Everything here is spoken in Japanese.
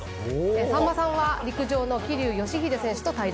さんまさんは陸上の桐生祥秀選手と対談。